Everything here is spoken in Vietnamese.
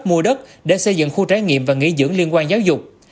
mua đất để xây dựng khu trái nghiệm và nghỉ dưỡng liên quan giáo dục